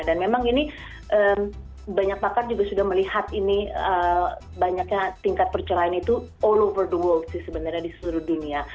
dan memang ini banyak pakar juga sudah melihat ini banyaknya tingkat perceraian itu all over the world sih sebenarnya di seluruh dunia